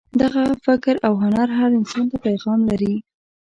دغه فکر او هنر هر انسان ته پیغام لري.